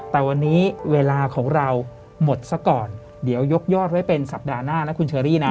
แต่วันนี้เวลาของเราหมดซะก่อนเดี๋ยวยกยอดไว้เป็นสัปดาห์หน้านะคุณเชอรี่นะ